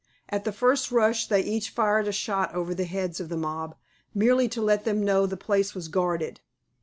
At the first rush they each fired a shot over the heads of the mob, merely to let them know the place was guarded.